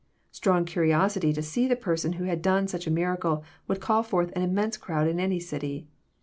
Strong curiosity to see the Person who had done such a miracle would call forth an immense crowd In any city.